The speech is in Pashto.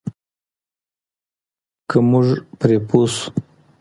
که موږ پرې پوه شو.